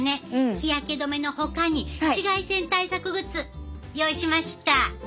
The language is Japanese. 日焼け止めのほかに紫外線対策グッズ用意しました。